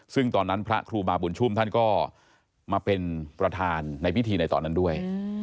ซึ่งตอนนั้นพระครูบาบุญชุมท่านก็มาเป็นประธานในพิธีในตอนนั้นด้วย